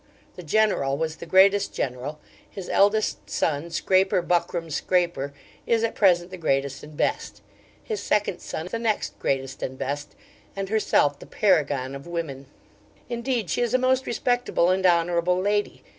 The General was the greatest general: his eldest son, Scraper Buckram Scraper, is at present the greatest and best; his second son the next greatest and best; and herself the paragon of women. Indeed, she is a most respectable and honourable lady.